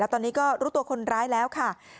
ตอนนี้ก็รู้ตัวคนร้ายแล้วค่ะ